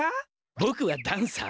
ぼくはダンサー。